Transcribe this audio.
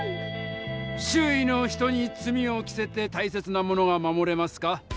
周囲の人に罪を着せてたいせつなものが守れますか？